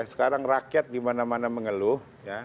sekarang rakyat dimana mana mengeluh